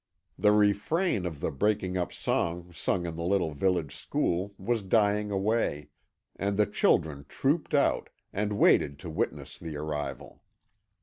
The refrain of the breaking up song sung in the little village school was dying away, and the children trooped out, and waited to witness the arrival.